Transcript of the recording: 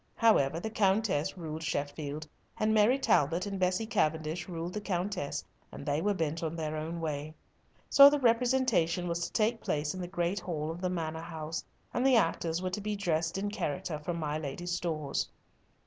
However, the Countess ruled Sheffield; and Mary Talbot and Bessie Cavendish ruled the Countess, and they were bent on their own way. So the representation was to take place in the great hall of the manor house, and the actors were to be dressed in character from my lady's stores.